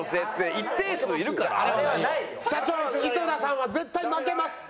社長井戸田さんは絶対負けます。